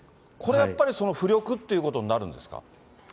これやっぱり、浮力っていうことになるんですか？